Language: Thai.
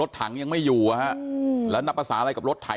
ถังยังไม่อยู่แล้วนับภาษาอะไรกับรถไถ